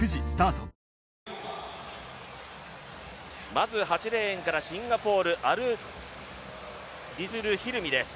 まず８レーンからシンガポールアルディズルヒルミです。